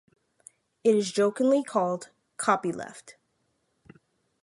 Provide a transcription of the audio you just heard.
It is jokingly called ""copyleft"".